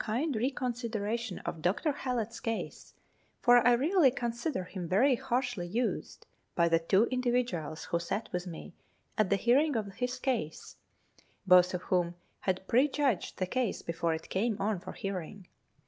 2G1 kind re consideration of Dr. Hallett's case, for I really consider him very harshly used by the two individuals who sat with me at the hearing of his case, both of whom had prejudged the case before it came on for hearing.